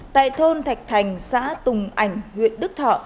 tại thôn thạch thành xã tùng ảnh huyện đức thọ